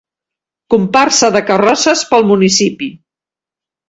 Comparsa de carrosses pel municipi.